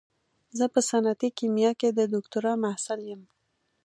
زه په صنعتي کيميا کې د دوکتورا محصل يم.